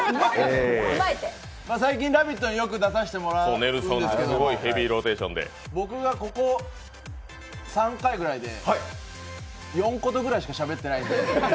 最近、「ラヴィット！」によく出させてもらうんですけど僕がここ３回ぐらいで４言ぐらいしかしゃべってないので。